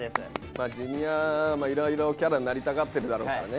まあＪｒ．いろいろキャラになりたがってるだろうからね。